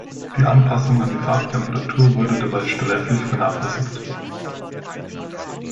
Die Anpassung an die Farbtemperatur wurde dabei sträflich vernachlässigt.